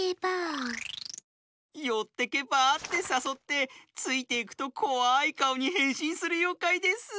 「よってけばあ？」ってさそってついていくとこわいかおにへんしんするようかいです。